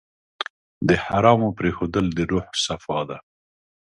د حرامو پرېښودل د روح صفا ده.